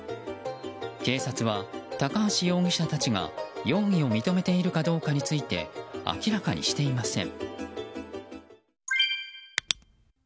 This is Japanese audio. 警察は、高橋容疑者たちが容疑を認めているかどうかについて明らかにしていません。